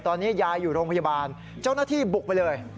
ตอนนี้ยายอยู่โรงพยาบาลเจ้าหน้าที่บุกไปเลย